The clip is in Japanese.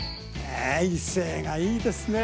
威勢がいいですねえ。